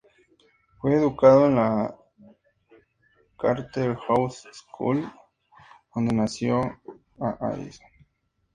Fue educado en la Charterhouse School, donde conoció a Addison.